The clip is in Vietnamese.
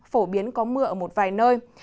phổ biến có mưa ở một vài nơi